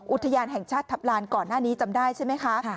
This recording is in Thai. อุทยานแห่งชาติทัพลานก่อนหน้านี้จำได้ใช่ไหมคะ